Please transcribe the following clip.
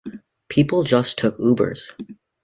People just took Ubers